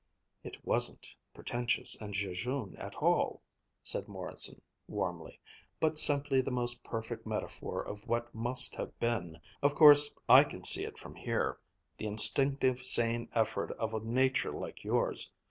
"It wasn't pretentious and jejune at all!" said Morrison warmly, "but simply the most perfect metaphor of what must have been of course, I can see it from here the instinctive sane effort of a nature like yours.